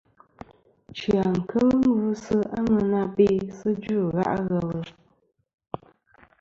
Chia kel gvɨsi a ŋwena be sɨ dzvɨ gha' ghelɨ.